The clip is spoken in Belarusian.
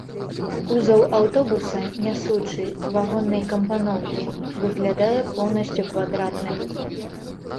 Кузаў аўтобуса нясучы, вагоннай кампаноўкі, выглядае поўнасцю квадратным.